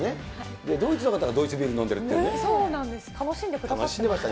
で、ドイツの方がドイツビール飲んでるってい楽しんでくださってました。